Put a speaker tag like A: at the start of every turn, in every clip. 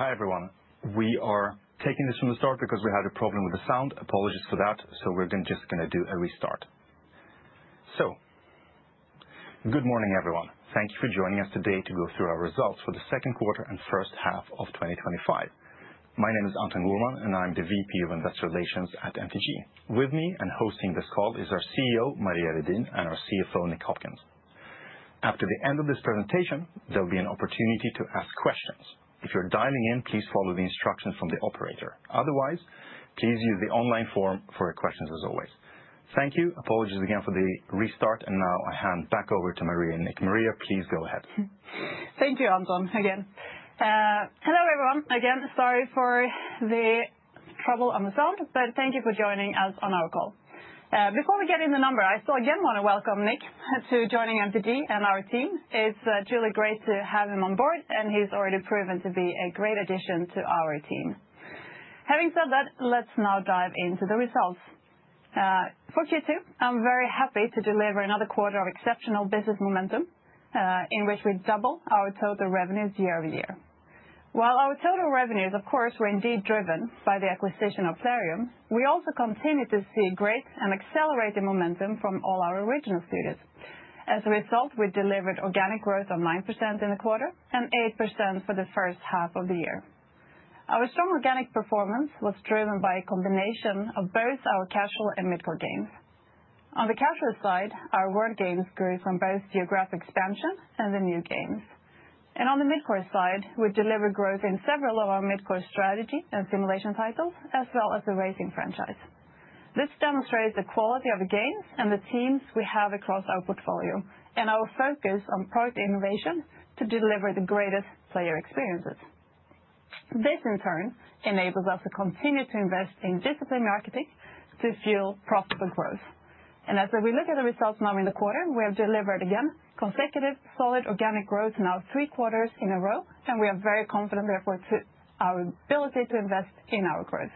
A: Hi, everyone. We are taking this from the start because we had a problem with the sound. Apologies for that. We are just going to do a restart. Good morning, everyone. Thanks for joining us today to go through our results for the second quarter and first half of 2025. My name is Anton Gourman, and I'm the VP of Investor Relations at MTG. With me and hosting this call is our CEO, Maria Redin, and our CFO, Nick Hopkins. After the end of this presentation, there'll be an opportunity to ask questions. If you're dialing in, please follow the instructions from the operator. Otherwise, please use the online form for your questions, as always. Thank you. Apologies again for the restart. I hand back over to Maria and Nick. Maria, please go ahead.
B: Thank you, Anton, again. Hello, everyone. Sorry for the trouble on the sound, but thank you for joining us on our call. Before we get into the numbers, I also again want to welcome Nick to joining MTG and our team. It's truly great to have him on board, and he's already proven to be a great addition to our team. Having said that, let's now dive into the results. For Q2, I'm very happy to deliver another quarter of exceptional business momentum, in which we doubled our total revenues year-over-year. While our total revenues, of course, were indeed driven by the acquisition of Plarium, we also continue to see great and accelerated momentum from all our original studios. As a result, we delivered organic growth of 9% in the quarter and 8% for the first half of the year. Our strong organic performance was driven by a combination of both our casual and mid-core games. On the casual side, our word games grew from both geographic expansion and the new games. On the mid-core side, we delivered growth in several of our mid-core strategy and simulation titles, as well as the racing franchise. This demonstrates the quality of the games and the teams we have across our portfolio and our focus on product innovation to deliver the greatest player experiences. This, in turn, enables us to continue to invest in disciplined marketing to fuel profitable growth. As we look at the results now in the quarter, we have delivered again consecutive solid organic growth in our three quarters in a row, and we are very confident, therefore, in our ability to invest in our growth.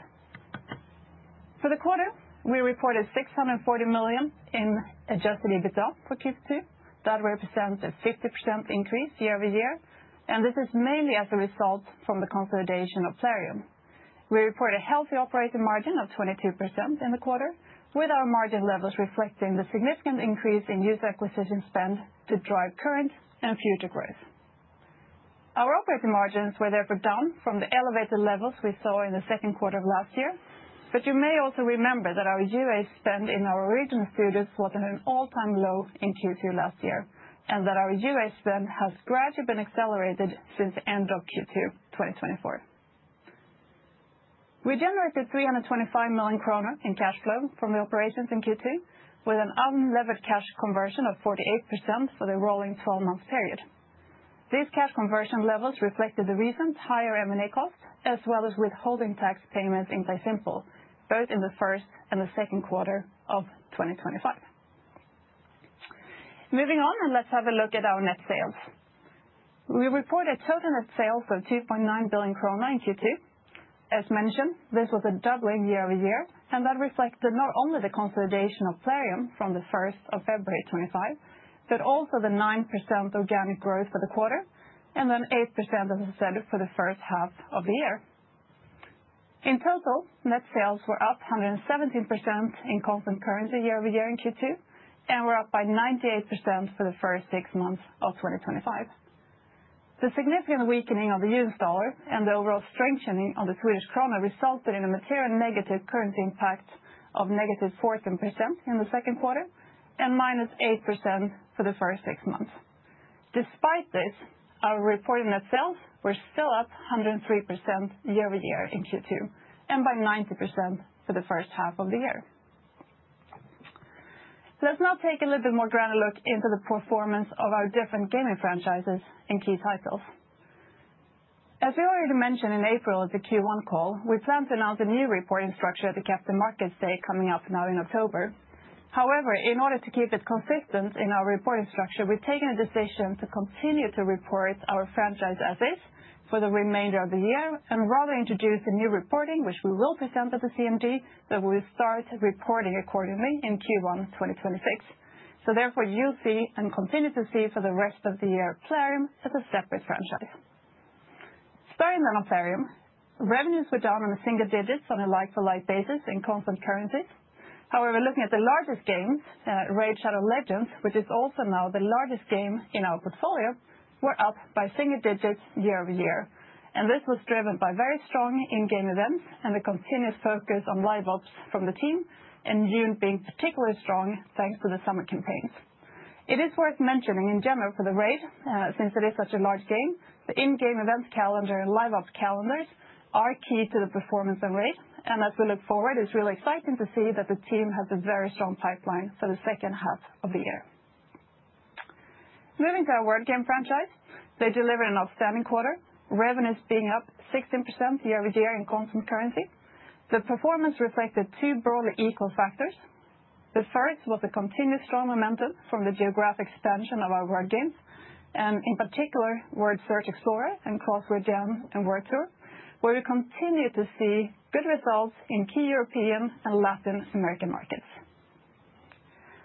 B: For the quarter, we reported 640 million in adjusted EBITDA for Q2. That represents a 50% increase year-over-year, and this is mainly as a result from the consolidation of Plarium. We report a healthy operating margin of 22% in the quarter, with our margin levels reflecting the significant increase in user acquisition spend to drive current and future growth. Our operating margins were therefore down from the elevated levels we saw in the second quarter of last year, but you may also remember that our UA spend in our original studios was at an all-time low in Q2 last year, and that our UA spend has gradually been accelerated since the end of Q2 2024. We generated 325 million kronor in cash flow from the operations in Q2, with an unlevered cash conversion of 48% for the rolling 12-month period. These cash conversion levels reflected the recent higher M&A costs, as well as withholding tax payments in PlaySimple, both in the first and the second quarter of 2025. Moving on, let's have a look at our net sales. We reported total net sales of 2.9 billion krona in Q2. As mentioned, this was a doubling year-over-year, and that reflected not only the consolidation of Plarium from the 1st of February 2025, but also the 9% organic growth for the quarter, and then 8% as I said for the first half of the year. In total, net sales were up 117% in constant currency year-over-year in Q2, and were up by 98% for the first six months of 2025. The significant weakening of the U.S. dollar and the overall strengthening of the Swedish krona resulted in a material negative currency impact of negative 14% in the second quarter, and minus 8% for the first six months. Despite this, our reported net sales were still up 103% year-over-year in Q2, and by 90% for the first half of the year. Let's now take a little bit more granular look into the performance of our different gaming franchises and key titles. As we already mentioned in April at the Q1 call, we plan to announce a new reporting structure at the Capital Markets Day coming up now in October. However, in order to keep it consistent in our reporting structure, we've taken a decision to continue to report our franchise as is for the remainder of the year, and rather introduce a new reporting, which we will present at the CMD, that we will start reporting accordingly in Q1 2026. Therefore, you'll see and continue to see for the rest of the year Plarium as a separate franchise. Starting then on Plarium, revenues were down in the single digits on a like-for-like basis in constant currencies. However, looking at the largest games, Raid: Shadow Legends, which is also now the largest game in our portfolio, were up by single digits year-over-year. This was driven by very strong in-game events and the continued focus on live ops from the team, and June being particularly strong thanks to the summer campaigns. It is worth mentioning in general for Raid, since it is such a large game, the in-game events calendar and live ops calendars are key to the performance of Raid. As we look forward, it's really exciting to see that the team has a very strong pipeline for the second half of the year. Moving to our word game franchise, they delivered an outstanding quarter, revenues being up 16% year-over-year in constant currency. The performance reflected two broadly equal factors. The first was a continued strong momentum from the geographic expansion of our word games, and in particular, Word Search Explorer and Crossword Jam and Word Tour, where we continue to see good results in key European and Latin American markets.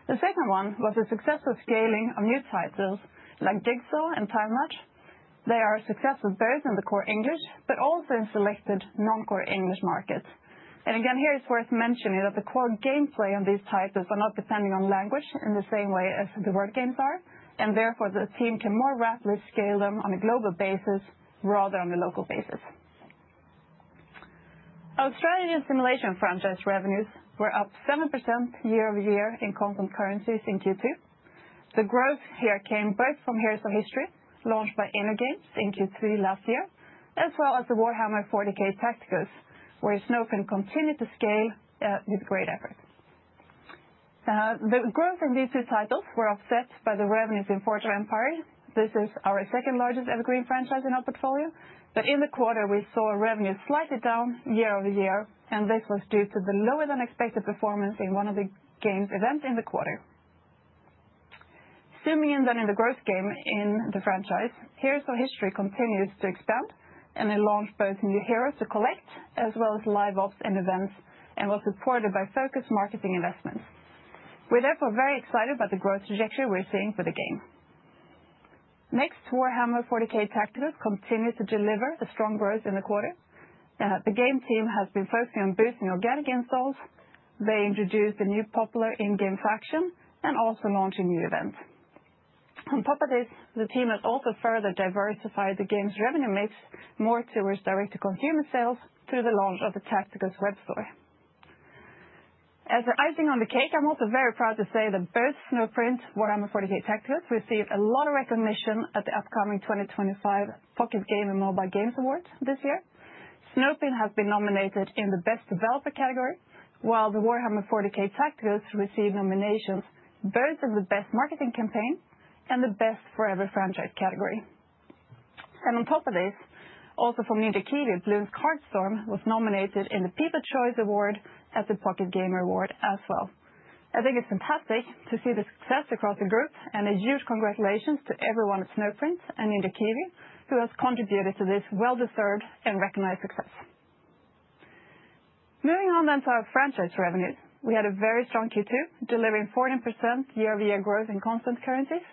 B: The second one was the successful scaling of new titles like Jigsaw and Time Match. They are successful both in the core English, but also in selected non-core English markets. Here it's worth mentioning that the core gameplay on these titles was not dependent on language in the same way as the word games are, and therefore the team can more rapidly scale them on a global basis rather than a local basis. Our strategy and simulation franchise revenues were up 7% year-over-year in constant currencies in Q2. The growth here came both from Heroes of History, launched by InnoGames in Q3 last year, as well as Warhammer 40,000: Tacticus, where Snowprint Studios continued to scale with great effort. The growth in these two titles was offset by the revenues in Forge of Empires. This is our second largest ever green franchise in our portfolio, but in the quarter, we saw revenues slightly down year-over-year, and this was due to the lower than expected performance in one of the game events in the quarter. Zooming in then in the growth game in the franchise, Heroes of History continues to expand, and they launched both new heroes to collect, as well as live ops and events, and was supported by focused marketing investment. We're therefore very excited about the growth trajectory we're seeing for the game. Next, Warhammer 40,000: Tacticus continues to deliver a strong growth in the quarter. The game team has been focusing on boosting organic installs. They introduced a new popular in-game faction and also launched a new event. On top of this, the team has also further diversified the game's revenue mix more towards direct-to-consumer sales through the launch of the Tacticus Web Store. As for icing on the cake, I'm also very proud to say that both Snowprint Studios and Warhammer 40,000: Tacticus received a lot of recognition at the upcoming 2025 Focus Game and Mobile Games Award this year. Snowprint Studios has been nominated in the Best Developer category, while Warhammer 40,000: Tacticus received nominations both in the Best Marketing Campaign and the Best Forever Franchise category. On top of this, also from Ninja Kiwi, Bloons Card Storm was nominated in the People's Choice Award at the Pocket Gamer Award as well. I think it's fantastic to see the success across the group, and a huge congratulations to everyone at Snowprint Studios and Ninja Kiwi who has contributed to this well-deserved and recognized success. Moving on to our franchise revenues, we had a very strong Q2, delivering 14% year-over-year growth in constant currencies.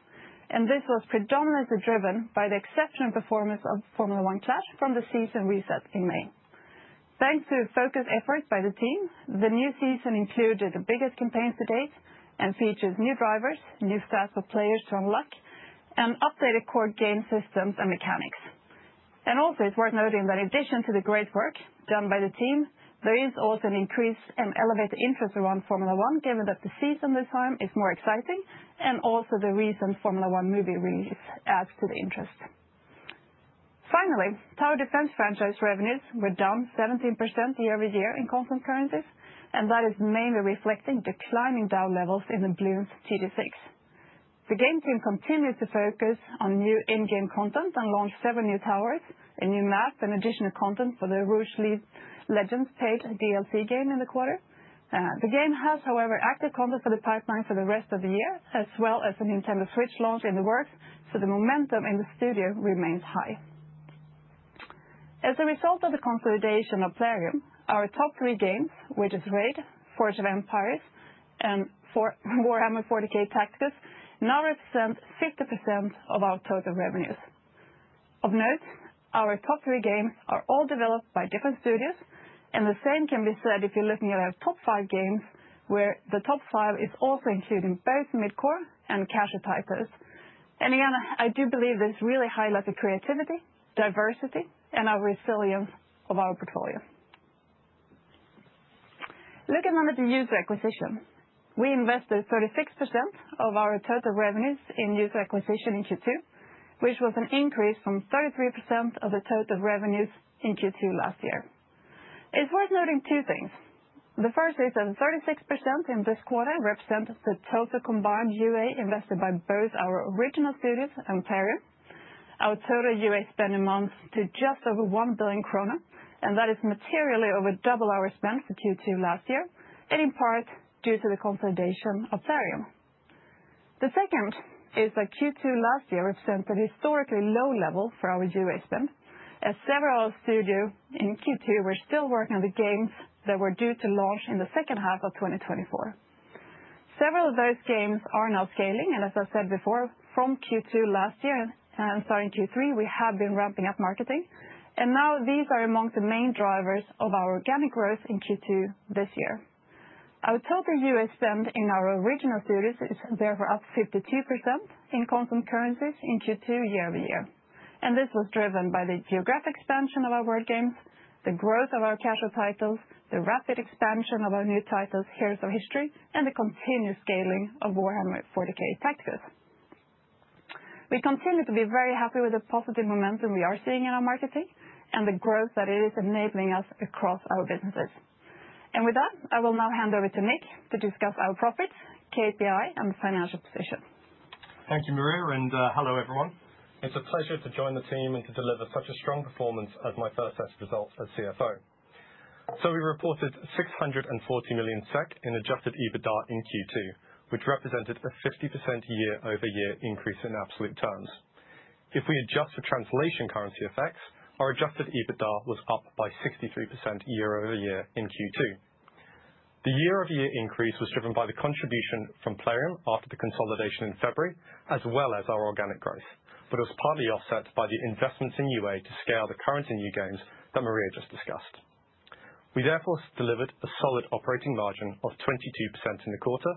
B: This was predominantly driven by the exceptional performance of Formula One Clash from the season reset in May. Thanks to a focused effort by the team, the new season included the biggest campaigns to date and features new drivers, new stats for players to unlock, and updated core game systems and mechanics. It's worth noting that in addition to the great work done by the team, there is also an increase in elevated interest around Formula One, given that the season this time is more exciting, and the recent Formula One movie release adds to the interest. Finally, Tower Defense franchise revenues were down 17% year-over-year in constant currencies, and that is mainly reflecting declining DAU levels in Bloons TD6. The game team continues to focus on new in-game content and launched seven new towers, a new map, and additional content for the Rogue League Legends Tate DLC game in the quarter. The game has, however, active content for the pipeline for the rest of the year, as well as a Nintendo Switch launch in the works, so the momentum in the studio remains high. As a result of the consolidation of Plarium, our top three games, which are Raid: Shadow Legends, Forge of Empires, and Warhammer 40,000: Tacticus, now represent 50% of our total revenues. Of note, our top three games are all developed by different studios, and the same can be said if you're looking at our top five games, where the top five are also including both mid-core and casual titles. I do believe this really highlights the creativity, diversity, and our resilience of our portfolio. Looking on the user acquisition, we invested 36% of our total revenues in UA in Q2, which was an increase from 33% of the total revenues in Q2 last year. It's worth noting two things. The first is that 36% in this quarter represents the total combined UA invested by both our original studios and Plarium. Our total UA spend amounts to just over 1 billion kronor, and that is materially over double our spend for Q2 last year, in part due to the consolidation of Plarium. The second is that Q2 last year represents a historically low level for our UA spend, as several of our studios in Q2 were still working on the games that were due to launch in the second half of 2024. Several of those games are now scaling, and as I said before, from Q2 last year and starting Q3, we have been ramping up marketing, and now these are among the main drivers of our organic growth in Q2 this year. Our total UA spend in our original studios is therefore up 52% in constant currencies in Q2 year-over-year, and this was driven by the geographic expansion of our word games, the growth of our casual titles, the rapid expansion of our new titles, Heroes of History, and the continued scaling of Warhammer 40,000: Tacticus. We continue to be very happy with the positive momentum we are seeing in our marketing and the growth that it is enabling us across our businesses. I will now hand over to Nick to discuss our profits, KPI, and the financial position.
C: Thank you, Maria, and hello everyone. It's a pleasure to join the team and to deliver such a strong performance as my first set of results as CFO. We reported 640 million SEK in adjusted EBITDA in Q2, which represented a 50% year-over-year increase in absolute terms. If we adjust for translation currency effects, our adjusted EBITDA was up by 63% year-over-year in Q2. The year-over-year increase was driven by the contribution from Plarium after the consolidation in February, as well as our organic growth, but it was partly offset by the investment in UA to scale the current new games that Maria just discussed. We therefore delivered a solid operating margin of 22% in the quarter,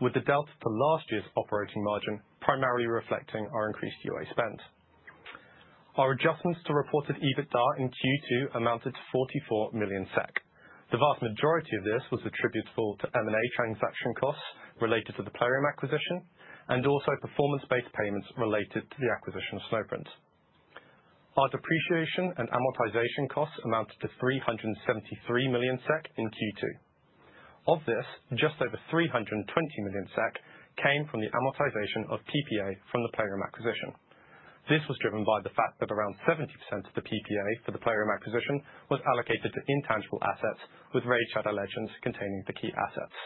C: with the delta to last year's operating margin primarily reflecting our increased UA spend. Our adjustments to reported EBITDA in Q2 amounted to 44 million SEK. The vast majority of this was attributable to M&A transaction costs related to the Plarium acquisition and also performance-based payments related to the acquisition of Snowprint Studios. Our depreciation and amortization costs amounted to 373 million SEK in Q2. Of this, just over 320 million SEK came from the amortization of PPA from the Plarium acquisition. This was driven by the fact that around 70% of the PPA for the Plarium acquisition was allocated to intangible assets, with Raid: Shadow Legends containing the key assets.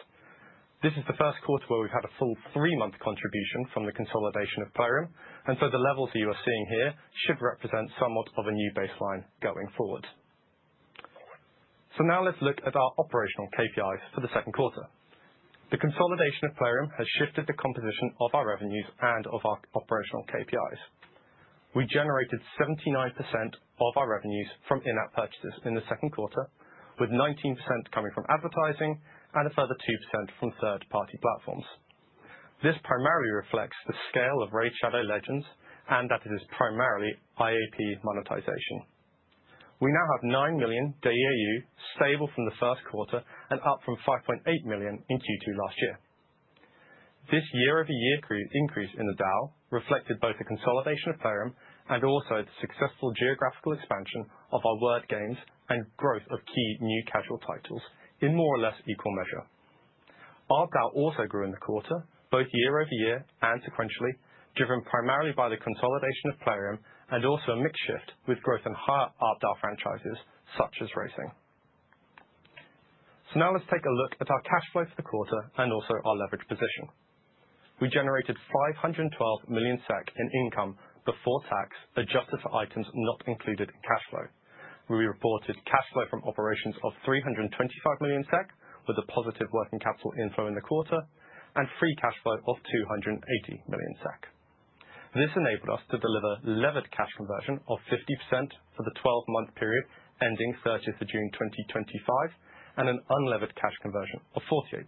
C: This is the first quarter where we've had a full three-month contribution from the consolidation of Plarium, and the levels that you are seeing here should represent somewhat of a new baseline going forward. Now let's look at our operational KPIs for the second quarter. The consolidation of Plarium has shifted the composition of our revenues and of our operational KPIs. We generated 79% of our revenues from in-app purchases in the second quarter, with 19% coming from advertising and a further 2% from third-party platforms. This primarily reflects the scale of Raid: Shadow Legends and that it is primarily IAP monetization. We now have 9 million DAU, stable from the first quarter and up from 5.8 million in Q2 last year. This year-over-year increase in the DAU reflected both the consolidation of Plarium and also the successful geographical expansion of our word games and growth of key new casual titles in more or less equal measure. Our DAU also grew in the quarter, both year-over-year and sequentially, driven primarily by the consolidation of Plarium and also a mix shift with growth in higher ARPDAU franchises such as racing. Now let's take a look at our cash flow for the quarter and also our leverage position. We generated 512 million SEK in income before tax, adjusted for items not included in cash flow. We reported cash flow from operations of 325 million SEK with a positive working capital inflow in the quarter and free cash flow of 280 million SEK. This enabled us to deliver levered cash conversion of 50% for the 12-month period ending 30th of June 2025 and an unlevered cash conversion of 48%.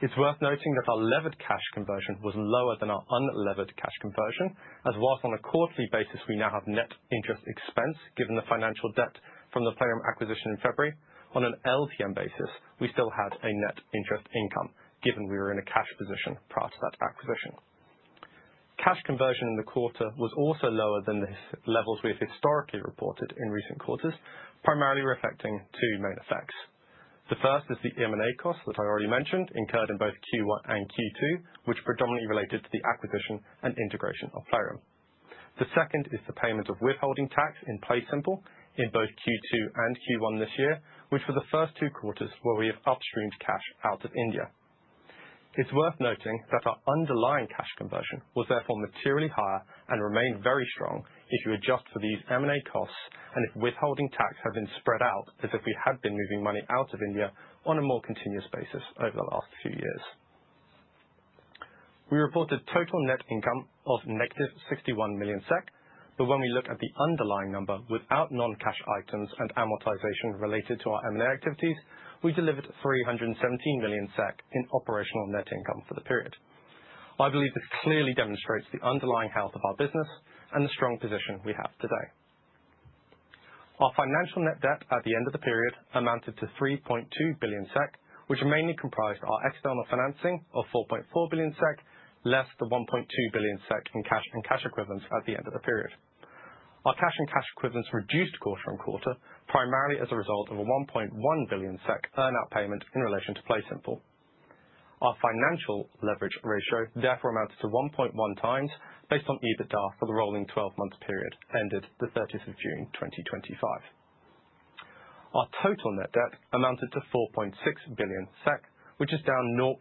C: It's worth noting that our levered cash conversion was lower than our unlevered cash conversion, as whilst on a quarterly basis we now have net interest expense given the financial debt from the Plarium acquisition in February, on an LTM basis we still had a net interest income given we were in a cash position prior to that acquisition. Cash conversion in the quarter was also lower than the levels we've historically reported in recent quarters, primarily reflecting two main effects. The first is the M&A cost that I already mentioned incurred in both Q1 and Q2, which predominantly related to the acquisition and integration of Plarium. The second is the payment of withholding tax in PlaySimple in both Q2 and Q1 this year, which were the first two quarters where we have upstreamed cash out of India. It's worth noting that our underlying cash conversion was therefore materially higher and remained very strong if you adjust for these M&A costs and if withholding tax had been spread out as if we had been moving money out of India on a more continuous basis over the last few years. We reported total net income of negative 61 million SEK, but when we look at the underlying number without non-cash items and amortization related to our M&A activities, we delivered 317 million SEK in operational net income for the period. I believe this clearly demonstrates the underlying health of our business and the strong position we have today. Our financial net debt at the end of the period amounted to 3.2 billion SEK, which mainly comprised our external financing of 4.4 billion SEK, less the 1.2 billion SEK in cash and cash equivalents at the end of the period. Our cash and cash equivalents reduced quarter on quarter primarily as a result of a 1.1 billion SEK earnout payment in relation to PlaySimple. Our financial leverage ratio therefore amounts to 1.1x based on EBITDA for the rolling 12-month period ended the 30th of June 2025. Our total net debt amounted to 4.6 billion SEK, which is down 0.5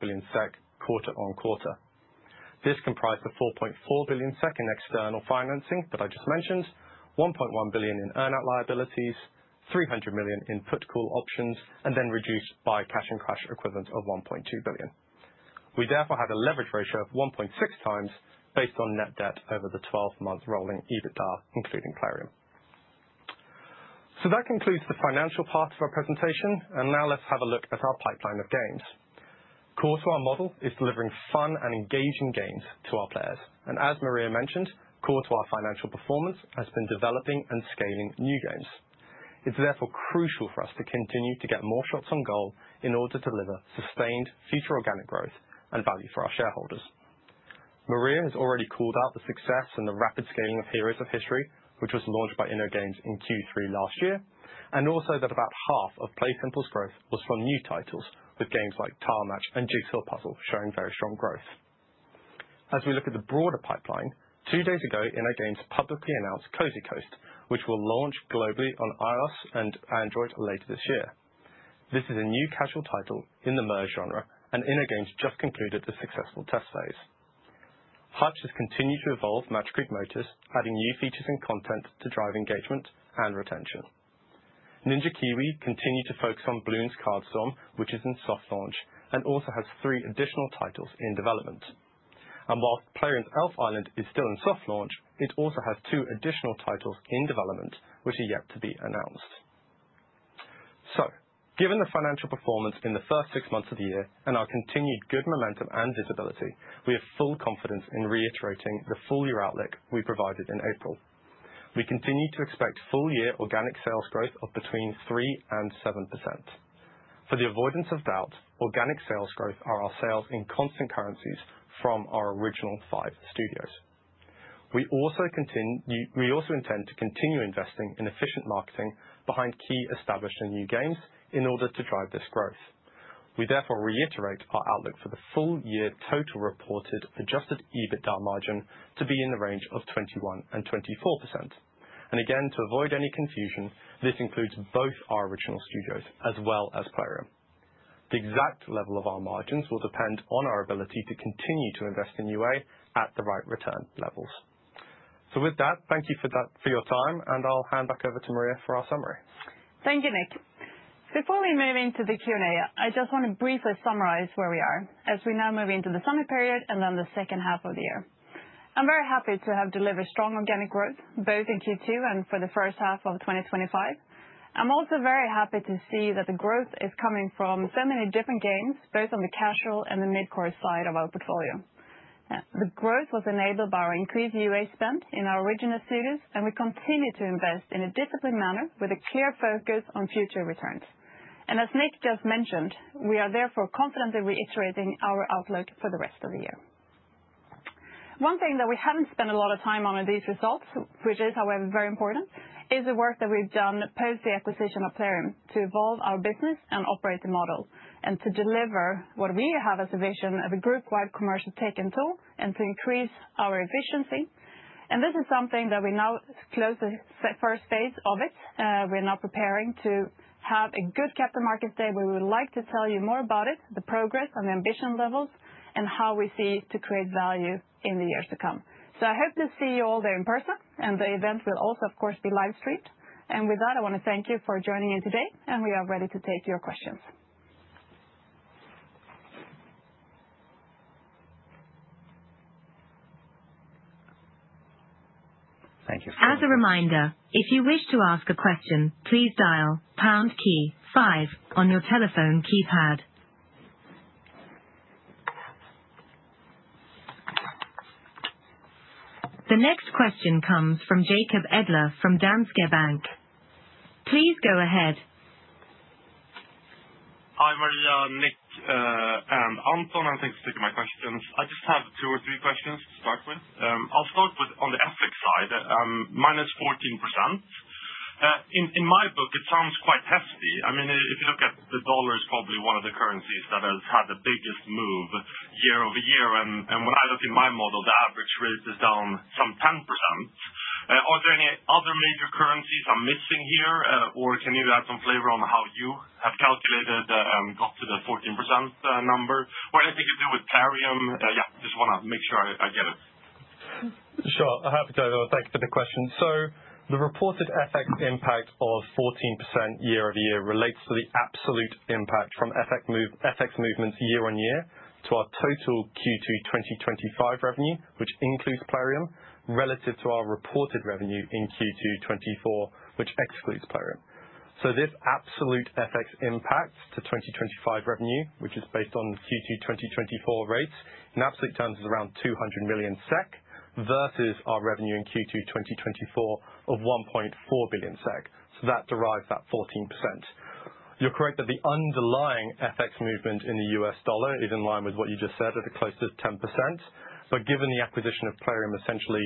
C: billion SEK quarter on quarter. This comprised the 4.4 billion SEK in external financing that I just mentioned, 1.1 billion in earnout liabilities, 300 million in put call options, and then reduced by cash and cash equivalents of 1.2 billion. We therefore had a leverage ratio of 1.6x based on net debt over the 12 months rolling EBITDA including Plarium. That concludes the financial part of our presentation, and now let's have a look at our pipeline of games. Our model is delivering fun and engaging games to our players, and as Maria mentioned, our financial performance has been developing and scaling new games. It's therefore crucial for us to continue to get more shots on goal in order to deliver sustained future organic growth and value for our shareholders. Maria has already called out the success and the rapid scaling of Heroes of History, which was launched by InnoGames in Q3 last year, and also that about half of PlaySimple's growth was from new titles with games like Tower Match and Jigsaw Puzzle showing very strong growth. As we look at the broader pipeline, two days ago, InnoGames publicly announced Cozy Coast, which will launch globally on iOS and Android later this year. This is a new casual title in the merge genre, and InnoGames just concluded the successful test phase. Hutch Games has continued to evolve Matrix Motors, adding new features and content to drive engagement and retention. Ninja Kiwi continued to focus on Bloons Card Storm, which is in soft launch, and also has three additionfal titles in development. While Plarium's Elf Island is still in soft launch, it also has two additional titles in development, which are yet to be announced. Given the financial performance in the first six months of the year and our continued good momentum and visibility, we have full confidence in reiterating the full-year outlook we provided in April. We continue to expect full-year organic sales growth of between 3% and 7%. For the avoidance of doubt, organic sales growth are our sales in constant currencies from our original five studios. We also intend to continue investing in efficient marketing behind key established and new games in order to drive this growth. We therefore reiterate our outlook for the full-year total reported adjusted EBITDA margin to be in the range of 21%-24%. Again, to avoid any confusion, this includes both our original studios as well as Plarium. The exact level of our margins will depend on our ability to continue to invest in UA at the right return levels. Thank you for your time, and I'll hand back over to Maria for our summary.
B: Thank you, Nick. Before we move into the Q&A, I just want to briefly summarize where we are as we now move into the summer period and then the second half of the year. I'm very happy to have delivered strong organic growth both in Q2 and for the first half of 2025. I'm also very happy to see that the growth is coming from so many different games, both on the casual and the mid-core side of our portfolio. The growth was enabled by our increased UA spend in our original studios, and we continue to invest in a disciplined manner with a clear focus on future returns. As Nick just mentioned, we are therefore confidently reiterating our outlook for the rest of the year. One thing that we haven't spent a lot of time on in these results, which is, however, very important, is the work that we've done post the acquisition of Plarium to evolve our business and operating model and to deliver what we have as a vision of a group-wide commercial take and toll and to increase our efficiency. This is something that we now close the first phase of. We're now preparing to have a good Capital Markets Day where we would like to tell you more about it, the progress and the ambition levels, and how we see to create value in the years to come. I hope to see you all there in person, and the event will also, of course, be live streamed. With that, I want to thank you for joining in today, and we are ready to take your questions.
C: Thank you.
D: As a reminder, if you wish to ask a question, please dial pound key five on your telephone keypad. The next question comes from Jacob Edler from Danske Bank. Please go ahead.
E: Hi, Maria, Nick, and Anton, and thanks for taking my questions. I just have two or three questions to start with. I'll start with on the asset side, -14%. In my book, it sounds quite hefty. I mean, if you look at the dollar, it's probably one of the currencies that has had the biggest move year-over-year. When I look in my model, the average rate is down some 10%. Are there any other major currencies I'm missing here, or can you add some flavor on how you have calculated and got to the 14% number? Anything to do with Plarium? I just want to make sure I get it.
C: Sure, I'm happy to. Thank you for the question. The reported FX impact of 14% year-over-year relates to the absolute impact from FX movements year-on-year to our total Q2 2025 revenue, which includes Plarium, relative to our reported revenue in Q2 2024, which excludes Plarium. This absolute FX impact to 2025 revenue, which is based on Q2 2024 rates, in absolute terms, is around 200 million SEK versus our revenue in Q2 2024 of 1.4 billion SEK. That derives that 14%. You're correct that the underlying FX movement in the U.S. dollar is in line with what you just said, at the close to 10%. Given the acquisition of Plarium essentially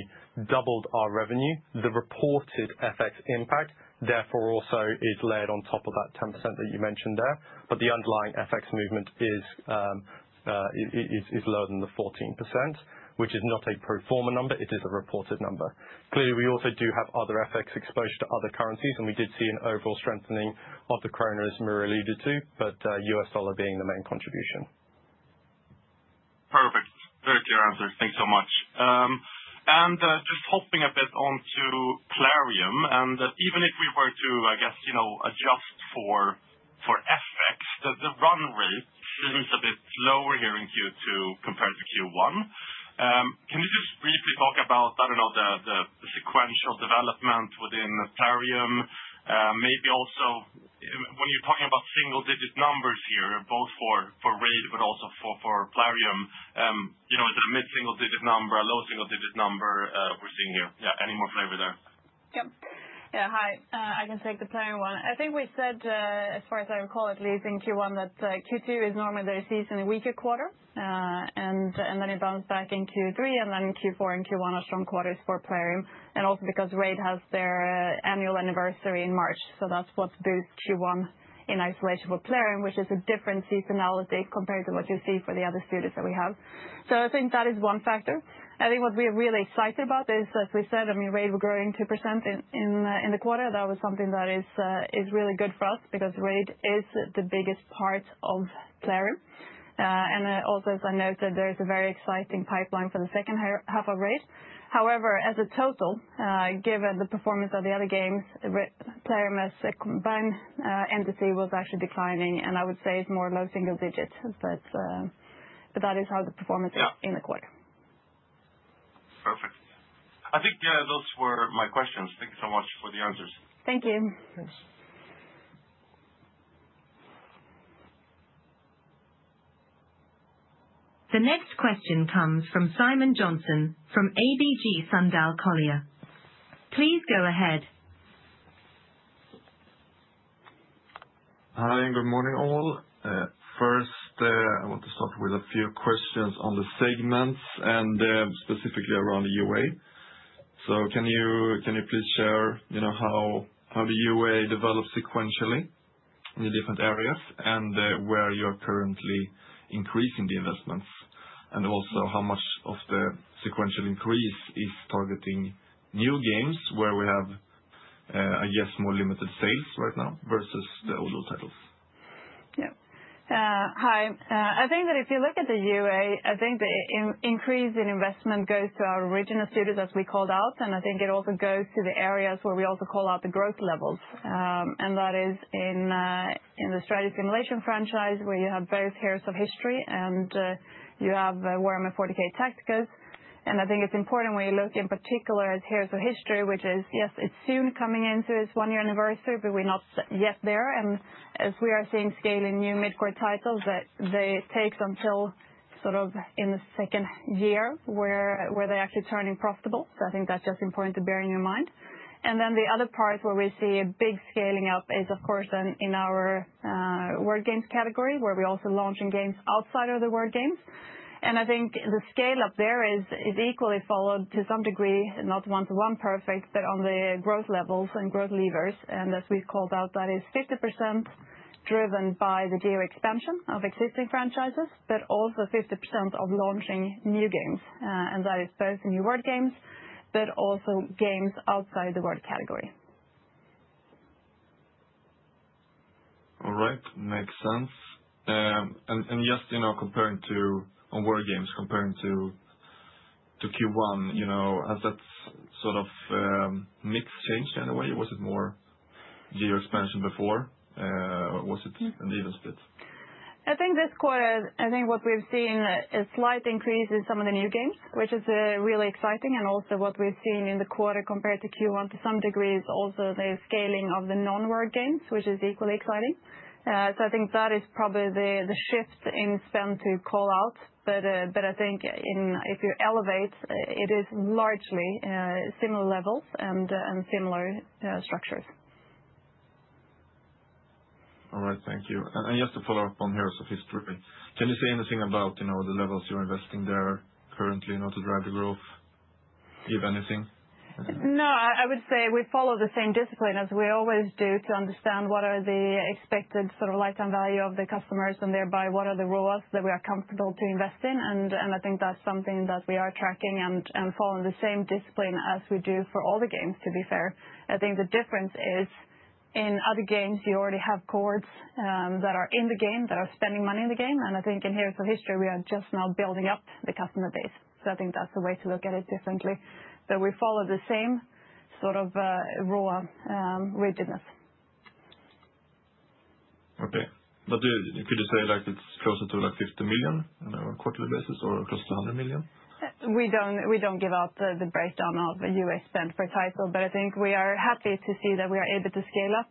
C: doubled our revenue, the reported FX impact therefore also is layered on top of that 10% that you mentioned there. The underlying FX movement is lower than the 14%, which is not a pro forma number; it is a reported number. Clearly, we also do have other FX exposure to other currencies, and we did see an overall strengthening of the krona as Maria alluded to, with U.S. dollar being the main contribution.
E: Perfect. Thank you, Hopkins. Thanks so much. Just hopping a bit onto Plarium, and even if we were to, I guess, you know, adjust for FX, the run rate seems a bit lower here in Q2 compared to Q1. Can you just briefly talk about, I don't know, the sequential development within Plarium? Maybe also when you're talking about single-digit numbers here, both for Raid but also for Plarium, you know, is it a mid-single-digit number, a low single-digit number? We're seeing you. Yeah, any more flavor there?
B: Yeah, hi. I can take the Plarium one. I think we said, as far as I recall, at least in Q1, that Q2 is normally their season weaker quarter, and it bounced back in Q3. Q4 and Q1 are strong quarters for Plarium. Also, because Raid: Shadow Legends has their annual anniversary in March, that's what boosts Q1 in isolation for Plarium, which is a different seasonality compared to what you see for the other studios that we have. I think that is one factor. What we are really excited about is, as we said, I mean, Raid: Shadow Legends was growing 2% in the quarter. That was something that is really good for us because Raid: Shadow Legends is the biggest part of Plarium. Also, as I noted, there is a very exciting pipeline for the second half of Raid: Shadow Legends. However, as a total, given the performance of the other games, Plarium's combined NDC was actually declining, and I would say it's more low single-digit. That is how the performance is in the quarter.
E: Perfect. I think those were my questions. Thanks so much for the answers.
B: Thank you.
D: The next question comes from Simon Johnson from ABG Sundal Collier. Please go ahead.
F: Good morning all. First, I want to start with a few questions on the segments and specifically around the UA. Can you please share how the UA develops sequentially in the different areas and where you are currently increasing the investments? Also, how much of the sequential increase is targeting new games where we have, I guess, more limited sales right now versus the older titles?
B: Yeah. Hi. I think that if you look at the UA, I think the increase in investment goes to our original studios, as we called out. I think it also goes to the areas where we also call out the growth levels. That is in the strategy simulation franchise where you have both Heroes of History and you have Warhammer 40,000: Tacticus. I think it's important when you look in particular at Heroes of History, which is, yes, it's soon coming into its one-year anniversary, but we're not yet there. As we are seeing scaling new mid-core titles, that takes until sort of in the second year where they're actually turning profitable. I think that's just important to bear in your mind. The other part where we see a big scaling up is, of course, in our word games category where we're also launching games outside of the word games. I think the scale up there is equally followed to some degree, not one-to-one perfect, but on the growth levels and growth levers. As we've called out, that is 50% driven by the geo-expansion of existing franchises, but also 50% of launching new games. That is both new word games, but also games outside the word category.
F: All right, makes sense. Comparing to on word games, comparing to Q1, has that sort of mixed change in a way? Was it more geo-expansion before? Was it?
B: I think this quarter, what we've seen is a slight increase in some of the new games, which is really exciting. Also, what we've seen in the quarter compared to Q1 to some degree is the scaling of the non-word games, which is equally exciting. I think that is probably the shift in spend to call out. If you elevate, it is largely similar levels and similar structures.
F: All right, thank you. Yes, to follow up on Heroes of History, can you say anything about the levels you're investing there currently to drive the growth, give anything?
B: No, I would say we follow the same discipline as we always do to understand what are the expected sort of lifetime value of the customers and thereby what are the ROAS that we are comfortable to invest in. I think that's something that we are tracking and following the same discipline as we do for all the games, to be fair. The difference is in other games, you already have cohorts that are in the game, that are spending money in the game. In Heroes of History, we are just now building up the customer base. I think that's the way to look at it differently. We follow the same sort of ROAS rigidness.
F: Could you say like it's closer to 50 million on a quarterly basis or close to 100 million?
B: We don't give out the breakdown of U.S. spend per title, but I think we are happy to see that we are able to scale up.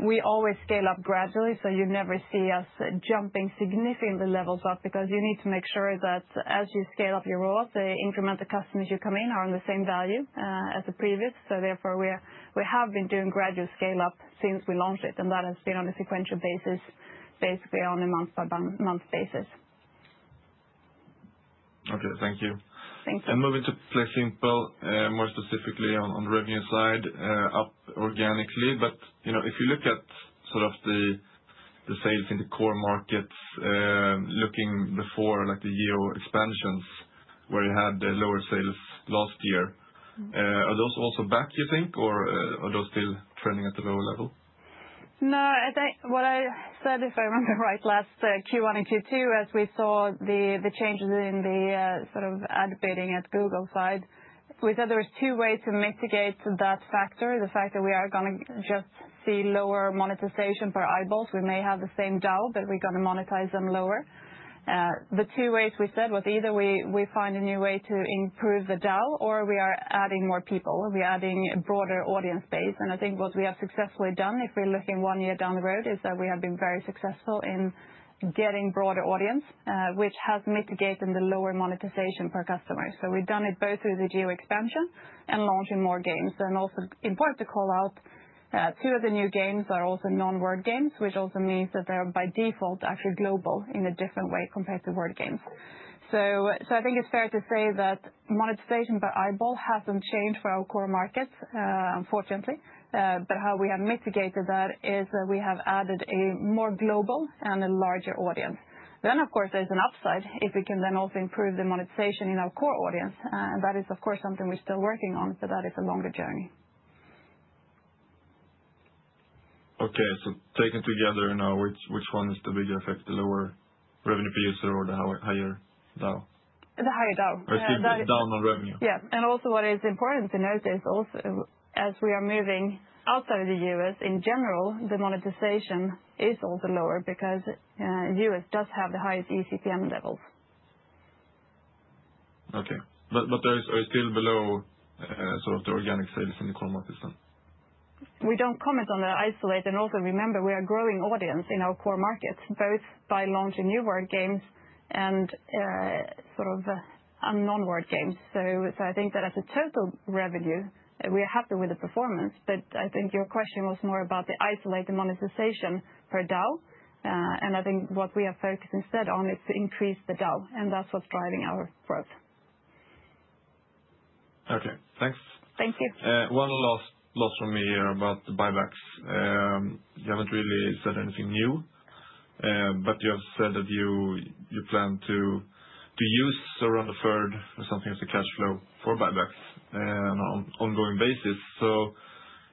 B: We always scale up gradually, so you never see us jumping significantly levels up because you need to make sure that as you scale up your ROAS, the incremental customers you come in are on the same value as the previous. Therefore, we have been doing gradual scale-up since we launched it, and that has been on a sequential basis, basically on a month-by-month basis.
F: Okay, thank you.
B: Thanks.
F: Moving to PlaySimple, more specifically on the revenue side, up organically. If you look at the sales in the core markets, looking before the EO expansions where you had the lower sales last year, are those also back, you think, or are those still trending at the lower level?
B: No, I think what I said, if I remember right, last Q1 and Q2, as we saw the changes in the sort of ad bidding at Google side, we said there were two ways to mitigate that factor, the fact that we are going to just see lower monetization per eyeballs. We may have the same DAU, but we're going to monetize them lower. The two ways we said was either we find a new way to improve the DAU or we are adding more people. We're adding a broader audience base. I think what we have successfully done, if we're looking one year down the road, is that we have been very successful in getting a broader audience, which has mitigated the lower monetization per customer. We've done it both through the geo-expansion and launching more games. Also, important to call out, two of the new games are also non-word games, which also means that they're by default actually global in a different way compared to word games. I think it's fair to say that monetization per eyeball hasn't changed for our core markets, unfortunately. How we have mitigated that is that we have added a more global and a larger audience. Of course, there's an upside if we can then also improve the monetization in our core audience. That is, of course, something we're still working on. That is a longer journey.
F: Okay, so taken together now, which one is the bigger effect, the lower revenue per user or the higher DAU?
B: The higher DAU.
F: The DAU, no revenue.
B: What is important to note is also as we are moving outside of the U.S., in general, the monetization is also lower because the U.S. does have the highest ECPM levels.
F: Okay, they're still below sort of the organic sales in the core markets then.
B: We don't comment on that isolated, and also remember we are growing audience in our core markets, both by launching new word games and sort of non-word games. I think that as a total revenue, we are happy with the performance. I think your question was more about the isolated monetization per DAU. I think what we have focused instead on is to increase the DAU, and that's what's driving our growth.
F: Okay, thanks.
B: Thank you.
F: One last thing from me here about the buybacks. You haven't really said anything new, but you have said that you plan to use around a third or something of the cash flow for buybacks on an ongoing basis.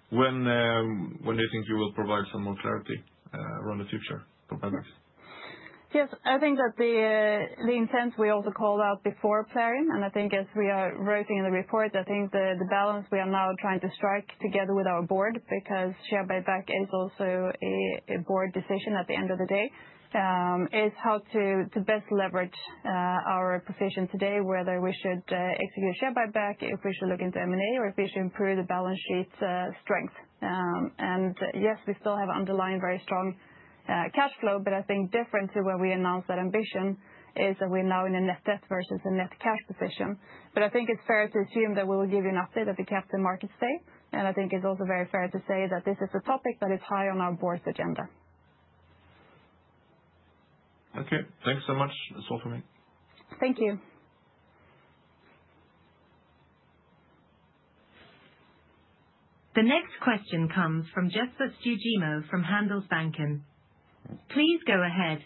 F: When do you think you will provide some more clarity around the future for buybacks?
B: Yes, I think that the intent we also called out before Plarium, and I think as we are writing in the report, the balance we are now trying to strike together with our board, because share buyback is also a board decision at the end of the day, is how to best leverage our position today, whether we should execute share buyback, if we should look into M&A, or if we should improve the balance sheet strength. Yes, we still have underlying very strong cash flow. I think different to where we announced that ambition is that we're now in a net debt versus a net cash position. I think it's fair to assume that we will give you an update at the Capital Markets Day. I think it's also very fair to say that this is a topic that is high on our board's agenda.
F: Okay, thanks so much. That's all for me.
B: Thank you.
D: The next question comes from Jesper Stugemo from Handelsbanken. Please go ahead.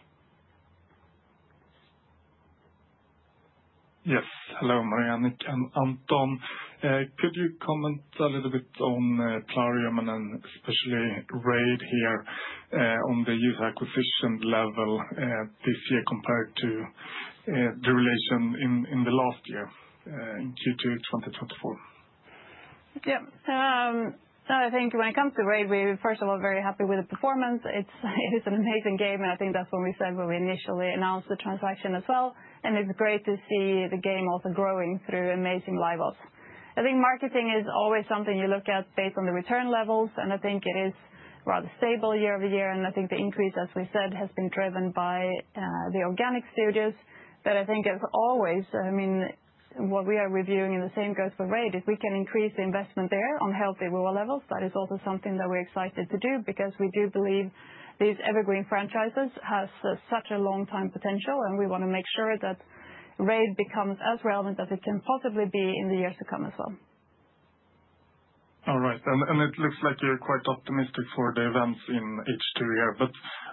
G: Yes, hello, Maria and Anton. Could you comment a little bit on Plarium and then especially Raid here on the user acquisition level this year compared to the relation in the last year in Q2 2024?
B: Yeah, I think when it comes to Raid: Shadow Legends, we're first of all very happy with the performance. It's an amazing game, and I think that's what we said when we initially announced the transaction as well. It's great to see the game also growing through amazing live ops. I think marketing is always something you look at based on the return levels, and I think it is rather stable year-over-year. The increase, as we said, has been driven by the organic studios. I think as always, what we are reviewing, and the same goes for Raid: Shadow Legends, if we can increase the investment there on healthy ROAS levels, that is also something that we're excited to do because we do believe these evergreen franchises have such a long-time potential, and we want to make sure that Raid: Shadow Legends becomes as relevant as it can possibly be in the years to come as well.
G: All right, it looks like you're quite optimistic for the events in H2 here.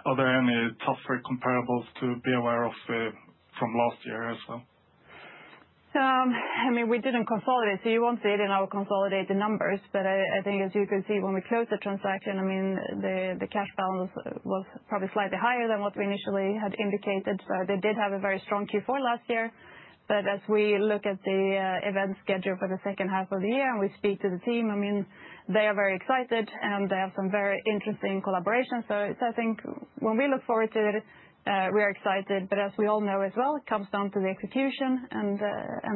G: Are there any tougher comparables to be aware of from last year as well?
B: We didn't consolidate, so you won't see it in our consolidated numbers, but I think as you can see when we closed the transaction, the cash balance was probably slightly higher than what we initially had indicated. They did have a very strong Q4 last year. As we look at the event schedule for the second half of the year and we speak to the team, they are very excited and they have some very interesting collaborations. I think when we look forward to it, we are excited, but as we all know as well, it comes down to the execution and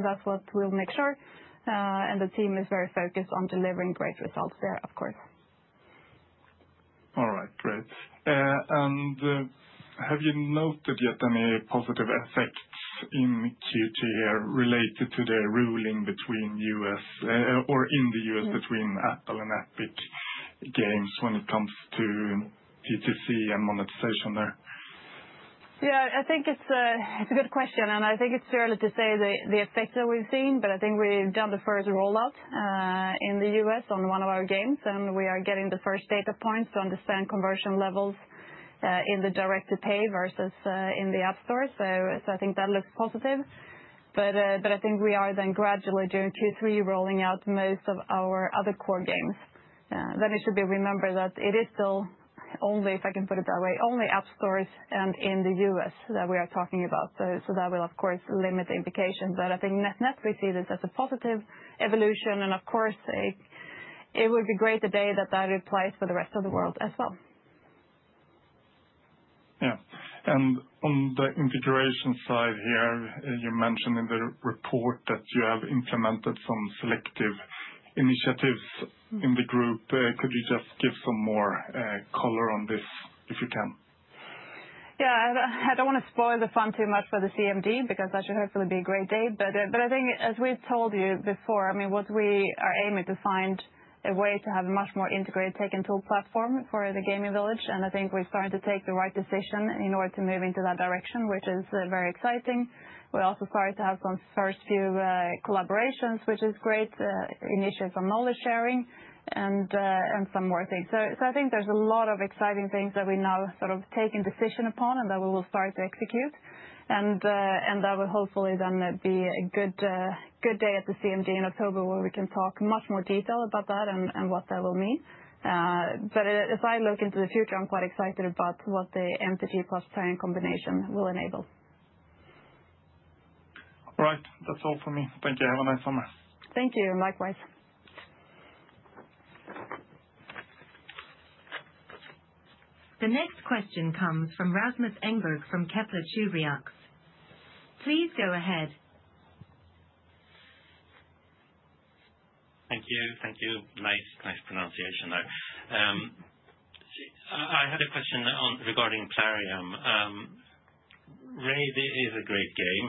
B: that's what we'll make sure. The team is very focused on delivering great results there, of course.
G: All right, great. Have you noted yet any positive effects in Q2 related to the ruling in the U.S. between Apple and Epic Games when it comes to PTC and monetization there?
B: Yeah, I think it's a good question, and I think it's fair to say the effects that we've seen, but I think we've done the first rollout in the U.S. on one of our games, and we are getting the first data points to understand conversion levels in the direct to pay versus in the app store. I think that looks positive. I think we are then gradually during Q3 rolling out most of our other core games. It should be remembered that it is still only, if I can put it that way, only app stores and in the U.S. that we are talking about. That will, of course, limit the implications. I think net-net, we see this as a positive evolution, and of course, it would be great today if that applies for the rest of the world as well.
G: Yeah, on the invigoration side here, you mentioned in the report that you have implemented some selective initiatives in the group. Could you just give some more color on this if you can?
B: Yeah, I don't want to spoil the fun too much for the Capital Markets Day because that should hopefully be a great date. I think as we've told you before, what we are aiming to find is a way to have a much more integrated take-and-talk platform for the gaming village. I think we're starting to take the right decision in order to move into that direction, which is very exciting. We're also starting to have some first few collaborations, which is a great initiative for knowledge sharing and some more things. I think there's a lot of exciting things that we now have sort of taken decision upon and that we will start to execute. That will hopefully then be a good day at the Capital Markets Day in October where we can talk in much more detail about that and what that will mean. As I look into the future, I'm quite excited about what the entity plus planning combination will enable.
G: All right, that's all for me. Thank you. Have a nice summer.
B: Thank you, likewise.
D: The next question comes from Rasmus Engberg from Kepler Cheuvreux. Please go ahead.
H: Thank you, thank you. Nice, nice pronunciation there. I had a question regarding Plarium. Raid: Shadow Legends is a great game,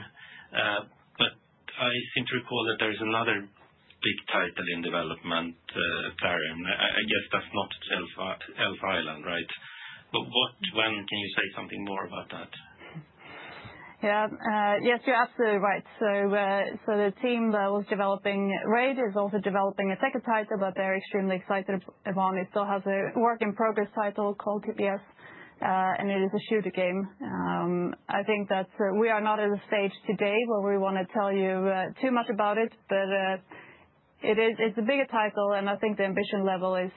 H: but I seem to recall that there's another big title in development at Plarium. I guess that's not Elf Island, right? When can you say something more about that?
B: Yes, you're absolutely right. The team that was developing Raid: Shadow Legends is also developing a second title that they're extremely excited about. It still has a work-in-progress title called TPS, and it is a shooter game. I think that we are not at a stage today where we want to tell you too much about it, but it's a bigger title, and I think the ambition level is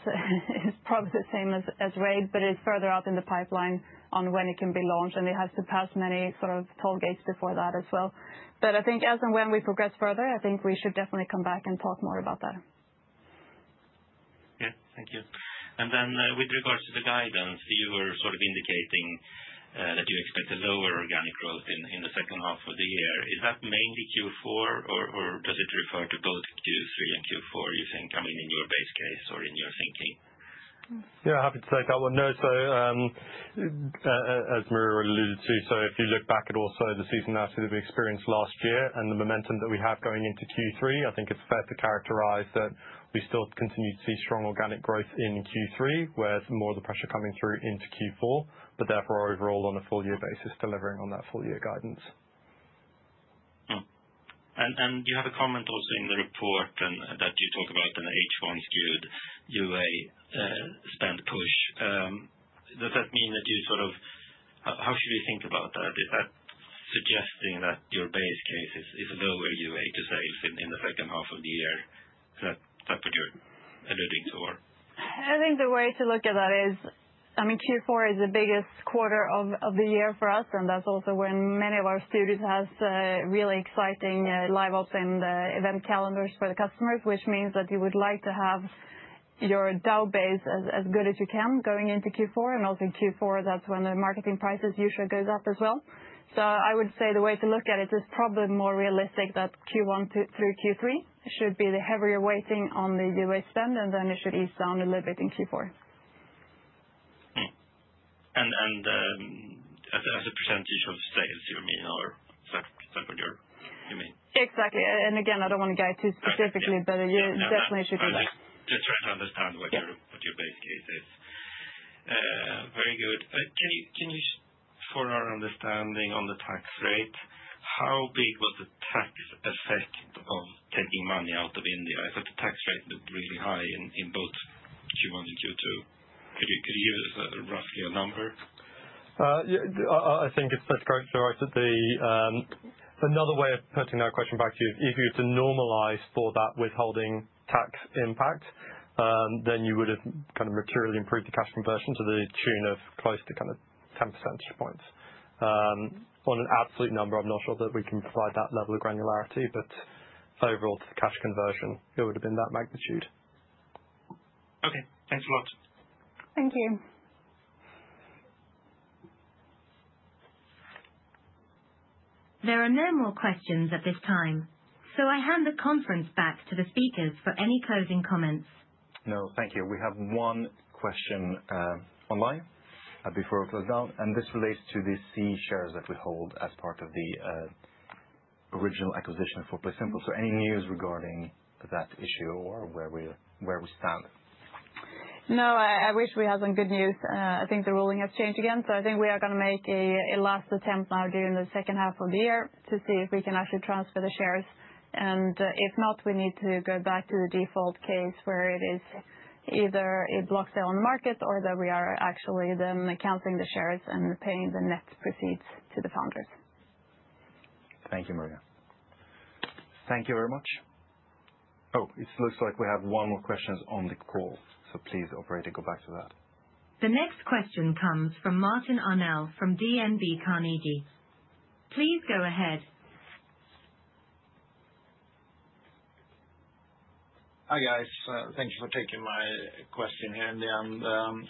B: probably the same as Raid: Shadow Legends. It's further out in the pipeline on when it can be launched, and it has surpassed many sort of tollgates before that as well. As and when we progress further, I think we should definitely come back and talk more about that.
H: Thank you. With regards to the guidance, you were sort of indicating that you expect a lower organic growth in the second half of the year. Is that mainly Q4, or does it refer to both Q3 and Q4, you think, in your base case or in your thinking?
C: Yeah, I'm happy to take that one. No, as Maria alluded to, if you look back at also the seasonality that we experienced last year and the momentum that we have going into Q3, I think it's fair to characterize that we still continue to see strong organic growth in Q3, with more of the pressure coming through into Q4. Therefore, overall on a full-year basis, delivering on that full-year guidance.
H: You have a comment also in the report that you talk about in the H1 skewed UA spend push. Does that mean that you sort of, how should we think about that? Is that suggesting that your base case is a lower UA to sales in the second half of the year? Is that what you're alluding to or?
B: I think the way to look at that is, Q4 is the biggest quarter of the year for us, and that's also when many of our studios have really exciting live ops and event calendars for the customers, which means that you would like to have your DAU base as good as you can going into Q4. In Q4, that's when the marketing prices usually go up as well. I would say the way to look at it is probably more realistic that Q1 through Q3 should be the heavier weighting on the UA spend, and then it should ease down a little bit in Q4.
H: As a percentage of sales, you mean, or separate, you mean?
B: Exactly. I don't want to guide too specifically, but it definitely should be.
H: To try to understand what your base case is. Very good. Can you, for our understanding on the tax rate, how big was the tax effect of taking money out of India? I thought the tax rate looked really high in both Q1 and Q2. Could you give us roughly a number?
C: I think it's best to write that another way of putting that question back to you is if you were to normalize for that withholding tax impact, then you would have kind of materially improved the cash conversion to the tune of close to 10% points. On an absolute number, I'm not sure that we can provide that level of granularity, but overall to the cash conversion, it would have been that magnitude.
H: Okay, thanks a lot.
B: Thank you.
D: There are no more questions at this time, so I hand the conference back to the speakers for any closing comments.
A: No, thank you. We have one question online before we close out, and this relates to the C shares that we hold as part of the original acquisition for PlaySimple. Any news regarding that issue or where we stand?
B: No, I wish we had some good news. I think the ruling has changed again, so I think we are going to make a last attempt now during the second half of the year to see if we can actually transfer the shares. If not, we need to go back to the default case where it is either a block sale on the market or that we are actually then counting the shares and paying the net proceeds to the founders.
A: Thank you, Maria.
C: Thank you very much.
A: It looks like we have one more question on the call, so please operate and go back to that.
D: The next question comes from Martin Arnell from DNB Carnegie. Please go ahead.
I: Hi, guys. Thank you for taking my question here, Andy.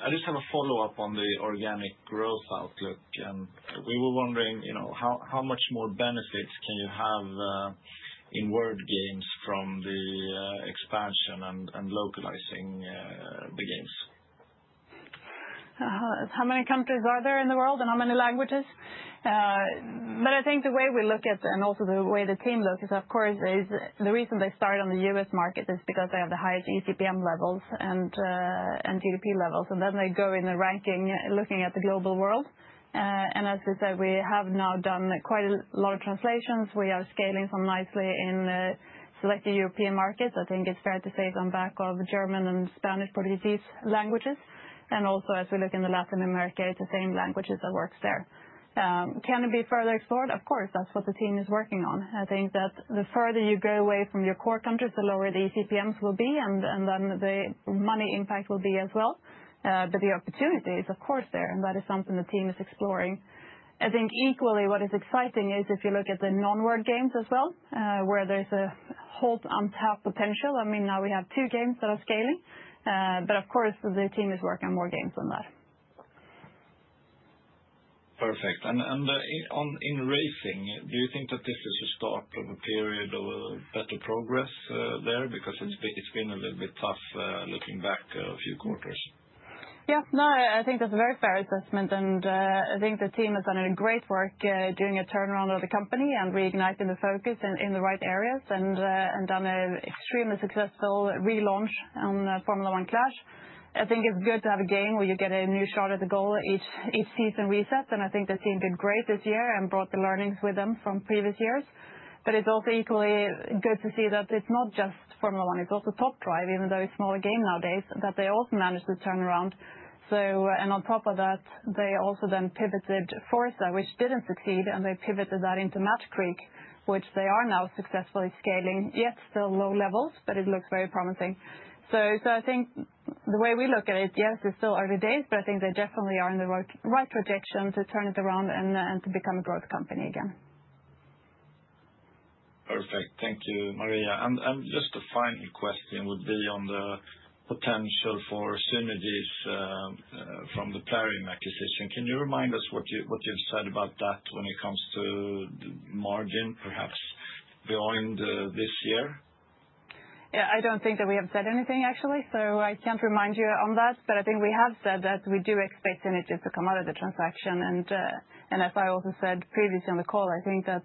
I: I just have a follow-up on the organic growth outlook. We were wondering, you know, how much more benefits can you have in word games from the expansion and localizing the games?
B: How many countries are there in the world and how many languages? I think the way we look at it and also the way the team looks at it, of course, is the reason they start on the U.S. market is because they have the highest eCPM levels and GDP levels. They go in the ranking, looking at the global world. As they said, we have now done quite a lot of translations. We are scaling some nicely in selected European markets. I think it's fair to say some back of German and Spanish, Portuguese languages. Also, as we look in Latin America, it's the same languages that work there. Can it be further explored? Of course, that's what the team is working on. I think that the further you go away from your core countries, the lower the eCPMs will be, and the money impact will be as well. The opportunity is, of course, there, and that is something the team is exploring. I think equally, what is exciting is if you look at the non-word games as well, where there's a hold-on-top potential. I mean, now we have two games that are scaling, but of course, the team is working on more games on that.
I: Perfect. In racing, do you think that this is the start of a period of better progress there? It's been a little bit tough looking back a few quarters.
B: Yeah, no, I think that's a very fair assessment. I think the team has done great work doing a turnaround of the company and reigniting the focus in the right areas and done an extremely successful relaunch on Formula One Clash. I think it's good to have a game where you get a new shot at the goal each season reset. I think the team did great this year and brought the learnings with them from previous years. It's also equally good to see that it's not just Formula One Clash, it's also Top Drive, even though it's a smaller game nowadays, that they also managed to turn around. On top of that, they also then pivoted Forza, which didn't succeed, and they pivoted that into Match Creek, which they are now successfully scaling, yet still low levels, but it looks very promising. I think the way we look at it, yes, it's still early days, but I think they definitely are in the right projection to turn it around and to become a growth company again.
I: Perfect. Thank you, Maria. Just a final question would be on the potential for synergies from the Plarium acquisition. Can you remind us what you've said about that when it comes to margin, perhaps beyond this year?
B: I don't think that we have said anything, actually. I can't remind you on that, but I think we have said that we do expect synergies to come out of the transaction. As I also said previously on the call, I think that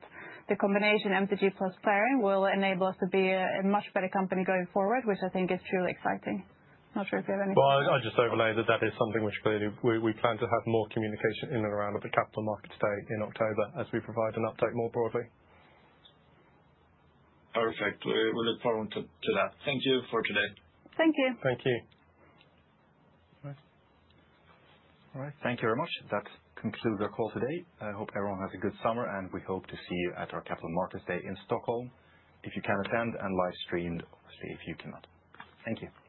B: the combination entity plus Plarium will enable us to be a much better company going forward, which I think is truly exciting. I'm not sure if you have any.
C: That is something which clearly we plan to have more communication in and around at the Capital Markets Day in October as we provide an update more broadly.
I: Perfect. We look forward to that. Thank you for today.
B: Thank you.
C: Thank you.
A: All right, thank you very much. That concludes our call today. I hope everyone has a good summer, and we hope to see you at our Capital Markets Day in Stockholm if you can attend, and via live stream if you cannot. Thank you.
B: Thank you.